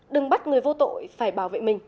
đừng bắt người vô tội phải bảo vệ mình